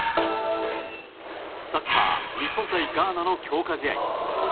サッカー日本対ガーナの強化試合。